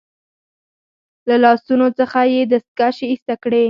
له لاسونو څخه يې دستکشې ایسته کړې.